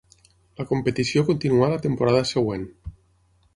La competició continuà la temporada següent.